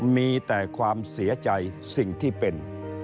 มีแต่ความเสียใจสิ่งที่เป็น